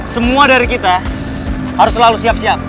semua dari kita harus selalu siap siap